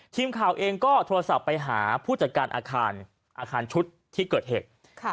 ทีมข่าวเองก็โทรศัพท์ไปหาผู้จัดการอาคารอาคารชุดที่เกิดเหตุ